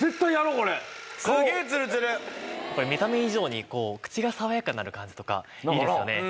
これ見た目以上に口が爽やかになる感じとかいいですよね。